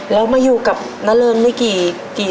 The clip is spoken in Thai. แล้วมาอยู่กับนะเริงนี่กี่วันเดือนปี